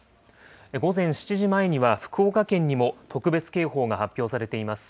午前７時前には、福岡県にも特別警報が発表されています。